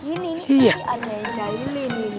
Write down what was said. ini aneh aja ini